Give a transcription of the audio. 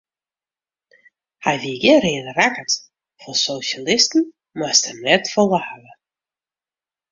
Hy wie gjin reade rakkert, fan sosjalisten moast er net folle hawwe.